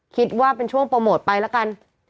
คิดว่าเป็นช่วงโปรโมทไปละกัน